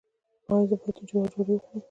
ایا زه باید د جوارو ډوډۍ وخورم؟